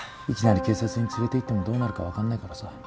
いきなり警察に連れていってもどうなるかわかんないからさ。